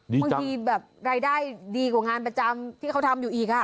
บางทีแบบรายได้ดีกว่างานประจำที่เขาทำอยู่อีก